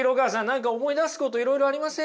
何か思い出すこといろいろありません？